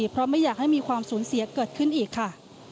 เพราะไม่อยากให้มีความสูญเสียเกิดขึ้นอีกค่ะ